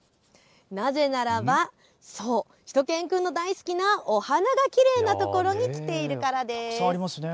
なぜならば、しゅと犬くんの大好きなお花がきれいなところに来ているからです。